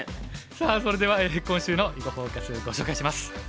さあそれでは今週の「囲碁フォーカス」ご紹介します。